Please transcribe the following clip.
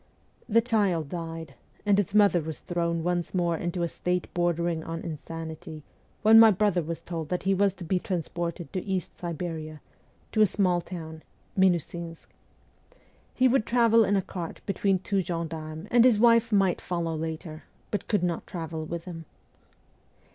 The child died, and its mother was thrown once more into a state bordering on insanity when my brother was told that he was to be transported to East Siberia, to a small town, Minusinsk. He would travel in a cart between two gendarmes, and his wife might follow later, but could not travel with him.